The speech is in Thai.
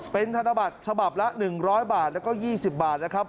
เป็นธนบัตรฉบับละ๑๐๐บาทแล้วก็๒๐บาทนะครับ